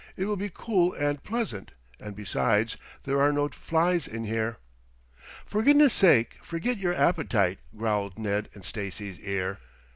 It will be cool and pleasant; and, besides, there are no flies in here." "For goodness' sake, forget your appetite," growled Ned in Stacy's ear.